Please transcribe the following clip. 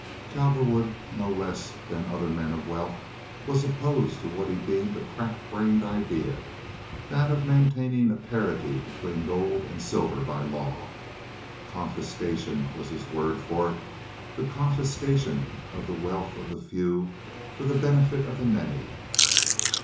Cowperwood, no less than other men of wealth, was opposed to what he deemed a crack brained idea—that of maintaining a parity between gold and silver by law. Confiscation was his word for it—the confiscation of the wealth of the few for the benefit of the many.